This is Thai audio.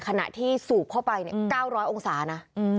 ขณะที่สูบเข้าไป๙๐๐องศานะ